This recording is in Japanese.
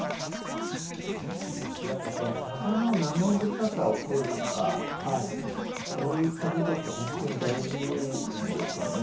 やっぱこのさばの生臭さを取るとかそういったことってほんとに大事なんですよね